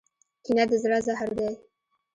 کینه د زړه زهر دی.